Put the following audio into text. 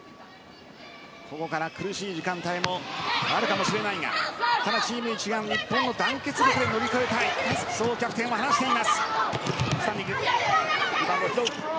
ここから苦しい時間帯もあるかもしれないがただチーム一丸日本の団結力で乗り越えたいとキャプテンは話しています。